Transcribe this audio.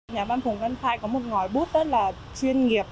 nhà văn phủng văn khẩu có một ngòi bút rất là chuyên nghiệp